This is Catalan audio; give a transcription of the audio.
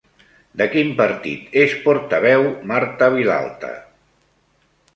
De quin partit és portaveu Marta Vilalta?